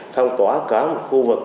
phong tỏa cả một khu vực